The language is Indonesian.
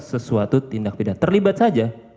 sesuatu tindak pidana terlibat saja